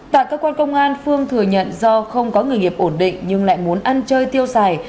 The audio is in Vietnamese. tại cơ quan công an phương thừa nhận do không có người nghiệp ổn định nhưng lại muốn ăn chơi tiêu xài